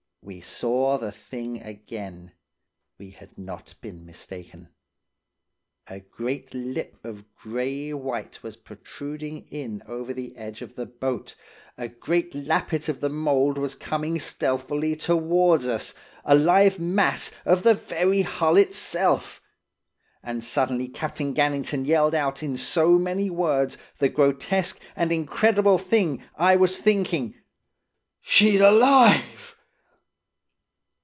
We saw the thing again. We had not been mistaken. A great lip of grey white was protruding in over the edge of the boat–a great lappet of the mould was coming stealthily towards us–a live mass of the very hull itself! And suddenly Captain Gannington yelled out in so many words the grotesque and incredible thing I was thinking: 'She's alive!